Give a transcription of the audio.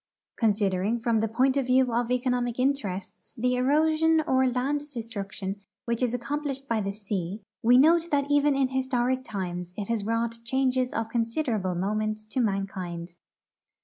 Considering from the point of view of economic interests the erosion or land destruction which is accomplished by the sea, we note that even in historic times it has wrought changes of considerable moment to mankind.